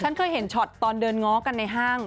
ฉันเคยเห็นช็อตตอนเดินง้อกันในห้าง